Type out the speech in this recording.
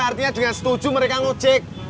artinya dengan setuju mereka ngejek